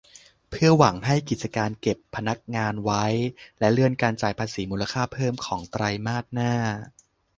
เพื่อหวังให้กิจการเก็บพนักงานไว้ และเลื่อนการจ่ายภาษีมูลค่าเพิ่มของไตรมาสหน้า